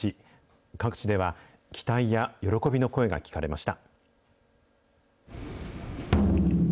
各地では期待や喜びの声が聞かれました。